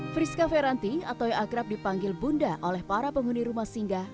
friska feranti atau yang akrab dipanggil bunda oleh para penghuni rumah singgah